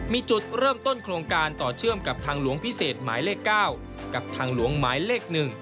มีจุดเริ่มต้นโครงการต่อเชื่อมกับทางหลวงพิเศษหมายเลข๙กับทางหลวงหมายเลข๑